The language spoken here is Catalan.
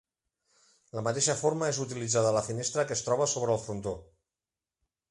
La mateixa forma és utilitzada a la finestra que es troba sobre el frontó.